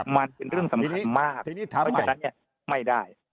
มันเป็นเรื่องสำคัญมากเพราะฉะนั้นไม่ได้